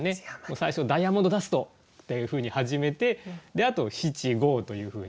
最初「ダイヤモンドダスト」っていうふうに始めてあと七五というふうに。